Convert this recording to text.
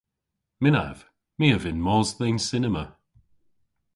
Mynnav. My a vynn mos dhe'n cinema.